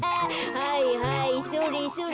はいはいそれそれ。